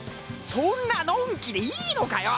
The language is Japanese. そんなのんきでいいのかよ！